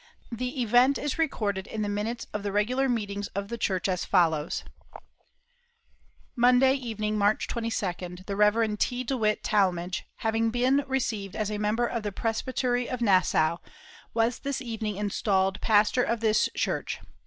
The event is recorded in the minutes of the regular meetings of the church as follows: "Monday evening, March 22, the Rev. T. DeWitt Talmage having been received as a member of the Presbytery of Nassau, was this evening installed pastor of this church.